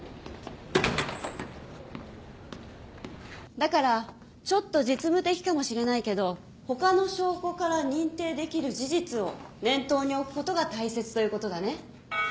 だからちょっと実務的かもしれないけど他の証拠から認定できる事実を念頭に置くことが大切ということだね。